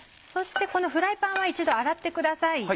そしてこのフライパンは一度洗ってください。